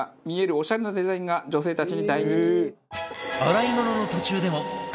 オシャレなデザインが女性たちに大人気。